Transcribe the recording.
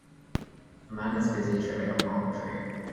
a man is busy trimming a palm tree.